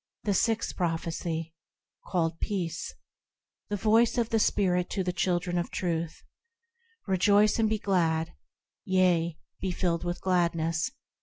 The Sixth Prophecy, called Peace THE Voice of the Spirit to the children of Truth,– Rejoice, and be glad I Yea, be filled with gladness